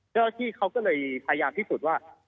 เจ้าหน้าที่เขาก็เลยพยายามพิสูจน์ว่า